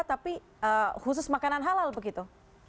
tapi khusus makanan halal begitu